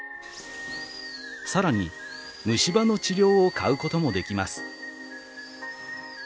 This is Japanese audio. さらに虫歯の治療を買うこともできます」。